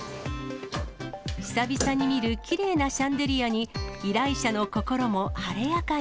久々に見るきれいなシャンデリアに、依頼者の心も晴れやかに。